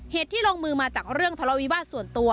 เหตุที่ลงมือมาจากเรื่องทะเลาวิวาสส่วนตัว